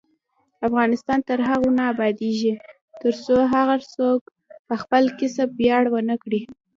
افغانستان تر هغو نه ابادیږي، ترڅو هر څوک په خپل کسب ویاړ ونه کړي.